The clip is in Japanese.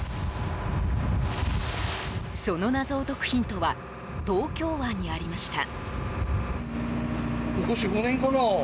その謎を解くヒントは東京湾にありました。